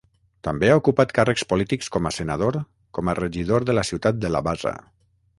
També ha ocupat càrrecs polítics com a senador, com a regidor de la ciutat de Labasa.